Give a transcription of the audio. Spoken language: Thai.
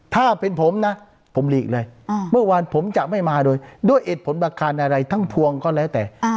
ถ้าเป็นผมนะผมหลีกเลยเมื่อวานผมจะไม่มาโดยด้วยเหตุผลประการอะไรทั้งพวงก็แล้วแต่